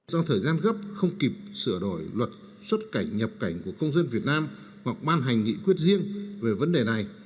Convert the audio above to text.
do thời gian gấp không kịp sửa đổi luật xuất cảnh nhập cảnh của công dân việt nam hoặc ban hành nghị quyết riêng về vấn đề này